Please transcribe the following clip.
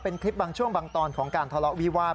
เป็นคลิปบางช่วงบางตอนของการทะเลาะวิวาส